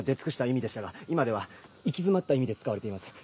意味でしたが今では「行き詰まった」意味で使われています。